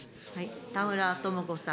田村智子さん。